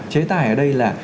chế tài ở đây là